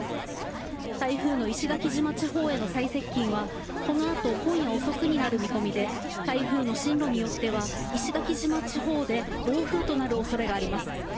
台風の石垣島地方への最接近はこの後、今夜遅くになる見込みで台風の進路によっては石垣島地方で暴風となる恐れがあります。